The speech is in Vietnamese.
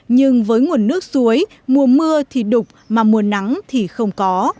nhưng với nguồn nước suối mùa mưa thì đục mà mùa nắng thì không có